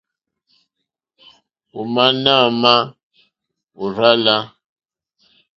Ò má náɛ̌má ò rzá lā.